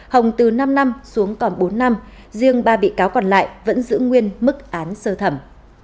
hồng từ năm năm xuống còn bốn năm riêng ba bị cáo còn lại vẫn giữ nguyên mức án sơ thẩm